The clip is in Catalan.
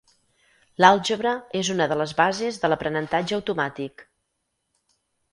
L'àlgebra és una de les bases de l'aprenentatge automàtic.